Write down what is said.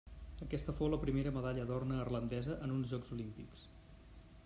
Aquesta fou la primera medalla d'or neerlandesa en uns Jocs Olímpics.